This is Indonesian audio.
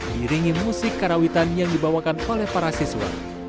diringi musik karawitan yang dibawakan oleh para siswa